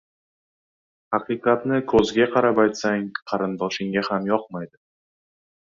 • Haqiqatni ko‘ziga qarab aytsang, qarindoshingga ham yoqmaydi.